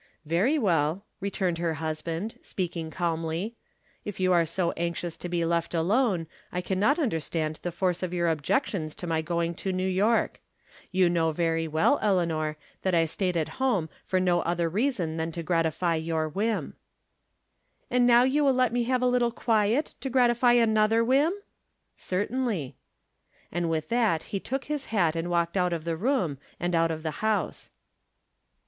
" Very well," returned her husband, speaking calmly. " If you are so anxious to be left alone I can not understand the force of your objections to my going to New York. You know very well, Eleanor, that I staid at home for no other reason than to gratify your whim." " And now will you let me have a little quiet, to gratify another whim? "" Certainly." And with that he took his hat and walked out of the room and out of the house.